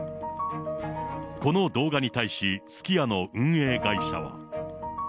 この動画に対し、すき家の運営会社は。